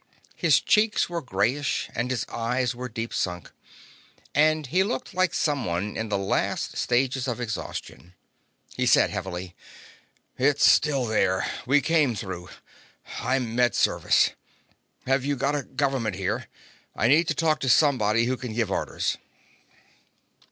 His cheeks were grayish and his eyes were deep sunk, and he looked like someone in the last stages of exhaustion. He said heavily: "It's still there. We came through. I'm Med Service. Have you got a government here? I need to talk to somebody who can give orders."